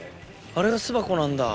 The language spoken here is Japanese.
あれが巣箱なんだ。